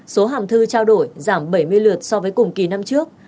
số hàm thư trao đổi giảm bảy mươi lượt so với cùng kỳ năm trước